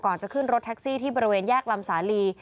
จะขึ้นรถแท็กซี่ที่บริเวณแยกลำสาลี